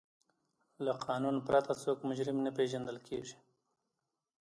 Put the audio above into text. له قانون پرته څوک مجرم نه پیژندل کیږي.